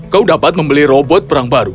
kau dapat membeli robot perang baru